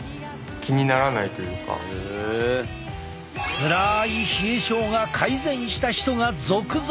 つらい冷え症が改善した人が続々！